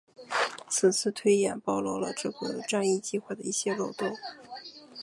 此次推演暴露出了这个战役计划的一些漏洞。